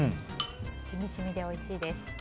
染み染みでおいしいです。